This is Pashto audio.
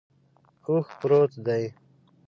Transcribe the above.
اوښ پروت دے